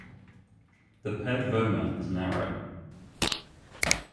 The paired vomer is narrow.